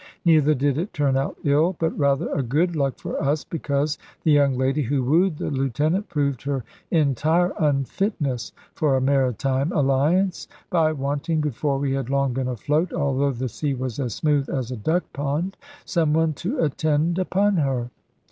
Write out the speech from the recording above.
Neither did it turn out ill, but rather a good luck for us, because the young lady who wooed the lieutenant proved her entire unfitness for a maritime alliance, by wanting, before we had long been afloat, although the sea was as smooth as a duck pond, some one to attend upon her.